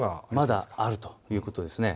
まだあるということですね。